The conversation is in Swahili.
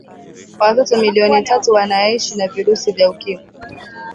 watoto milioni tatu wanaishi na virusi vya ukimwi